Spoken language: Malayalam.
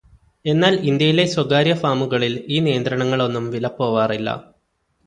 എന്നാല് ഇന്ത്യയിലെ സ്വകാര്യ ഫാമുകളില് ഈ നിയന്ത്രണങ്ങള് ഒന്നും വിലപ്പോവാറില്ല.